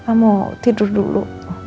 pak mau tidur dulu